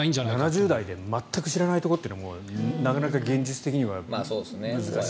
７０代で全く知らないところもなかなか現実的には難しい。